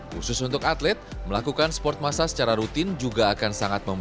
khusus untuk atlet melakukan sport massage secara rutin juga akan sangat membantu